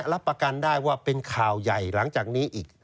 รับประกันได้ว่าเป็นข่าวใหญ่หลังจากนี้อีก